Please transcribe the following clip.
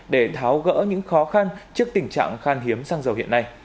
để tháo gỡ những khó khăn trước tình trạng khan hiếm xăng dầu hiện nay